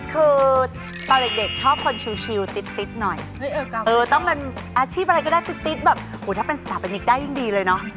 คือตอนเด็กชอบคนชิลติ๊ดหน่อยอาชีพอะไรก็ได้ถ้าเป็นสถาบันดิกได้ยิ่งดีเลยเนอะ